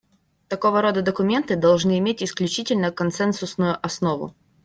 Такого рода документы должны иметь исключительно консенсусную основу.